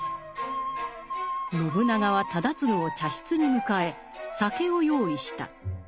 信長は忠次を茶室に迎え酒を用意した。